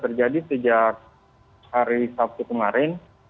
terjadi sejak hari sabtu kemarin